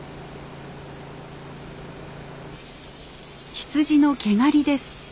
羊の毛刈りです。